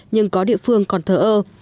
nhưng có địa phương còn thờ ơ